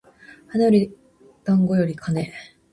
花より団子より金